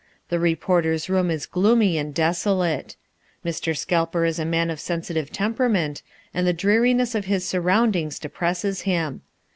The reporters' room is gloomy and desolate. Mr. Scalper is a man of sensitive temperament and the dreariness of his surroundings depresses him.